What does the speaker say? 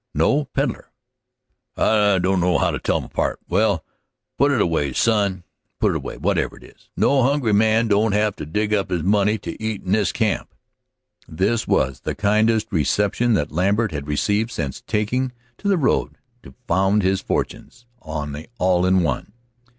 "No; peddler." "I don't know how to tell 'em apart. Well, put it away, son, put it away, whatever it is. No hungry man don't have to dig up his money to eat in this camp." This was the kindest reception that Lambert had received since taking to the road to found his fortunes on the All in One.